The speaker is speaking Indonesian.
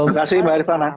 terima kasih mbak arifana